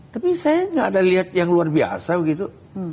tapi saya nggak ada lihat yang luar biasa begitu